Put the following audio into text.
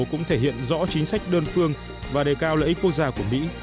cũng thể hiện rõ chính sách đơn phương và đề cao lợi ích quốc gia của mỹ